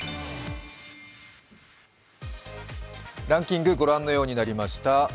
ランキング御覧のようになりました。